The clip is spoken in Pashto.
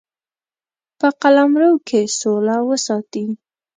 په قلمرو کې سوله وساتي.